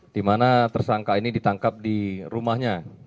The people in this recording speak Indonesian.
dimana tersangka ini ditangkap di rumahnya